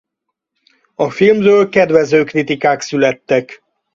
A filmről kedvező kritikák születtek.